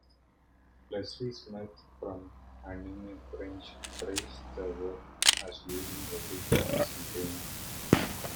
Lesley Smith from "Animefringe" praised the work as being every fan's dream.